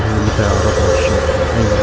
sunat kudus sudah kembali